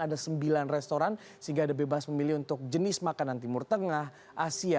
ada sembilan restoran sehingga ada bebas memilih untuk jenis makanan timur tengah asia